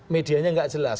medianya nggak jelas